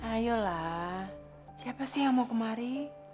ayolah siapa sih yang mau kemari